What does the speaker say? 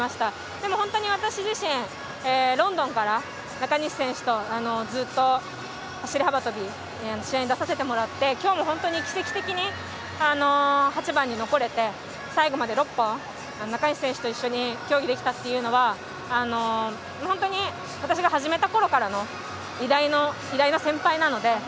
でも、本当に私自身ロンドンから中西選手とずっと走り幅跳びの試合に出させてもらって今日も奇跡的に８番に残れて最後まで６本、中西選手と一緒に競技できたということは本当に私が始めたころからの偉大な先輩なので。